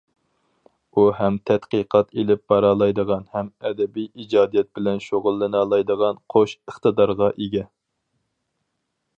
ئۇ ھەم تەتقىقات ئېلىپ بارالايدىغان ھەم ئەدەبىي ئىجادىيەت بىلەن شۇغۇللىنالايدىغان قوش ئىقتىدارغا ئىگە.